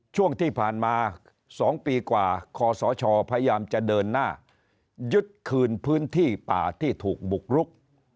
ช่วงที่ผ่านมา๒ปีกว่าคอสชพยายามจะเดินหน้ายึดคืนพื้นที่ป่าที่ถูกบุกรุก